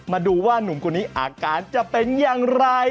มาดูว่านุ่มคนนี้อาการจะเป็นอย่างไร